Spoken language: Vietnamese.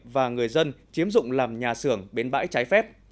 và người dân chiếm dụng làm nhà xưởng bến bãi trái phép